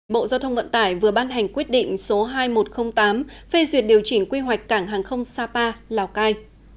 bộ giao thông vận tải vừa ban hành quyết định số hai nghìn một trăm linh tám phê duyệt điều chỉnh quy hoạch cảng hàng không sapa lào cai